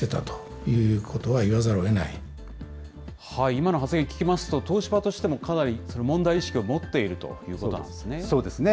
今の発言聞きますと、東芝としてもかなり問題意識を持っているということなんですね。